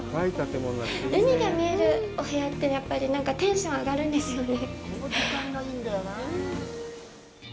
海が見えるお部屋ってやっぱりなんかテンション上がるんですよね。